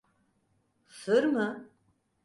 Sır mı?